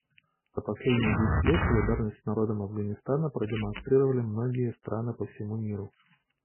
За последние десять лет солидарность с народом Афганистана продемонстрировали многие страны по всему миру.